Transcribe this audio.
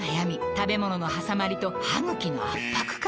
食べ物のはさまりと歯ぐきの圧迫感